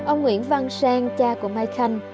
ông nguyễn văn sang cha của mai khanh